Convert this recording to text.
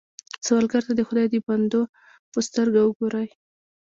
سوالګر ته د خدای د بندو په سترګه وګورئ